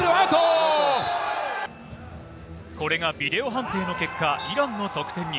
これがビデオ判定の結果、イランの得点に。